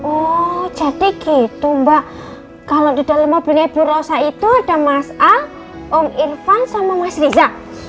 oh jadi gitu mbak kalau di dalam mobilnya ibu rosa itu ada mas a om irfan sama mas riza